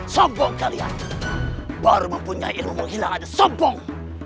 sombong kalian baru mempunyai ilmu menghilang aja sombong